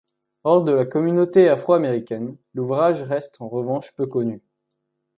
Hors de la communauté afro-américaine, l'ouvrage reste en revanche peu connu.